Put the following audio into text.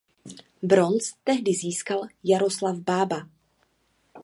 Bronz tehdy získal Jaroslav Bába.